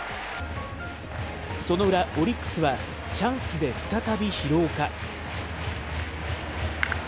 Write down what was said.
その裏、オリックスはチャンスで再び廣岡。